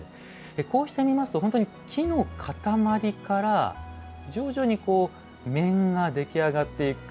こうして見ますと本当に木の塊から徐々に面が出来上がっていく。